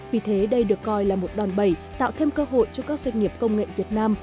vì thế đây được coi là một đòn bẩy tạo thêm cơ hội cho các doanh nghiệp công nghệ việt nam